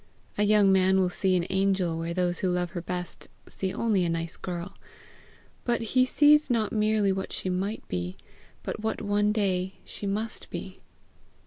A young man will see an angel where those who love her best see only a nice girl; but he sees not merely what she might be, but what one day she must be.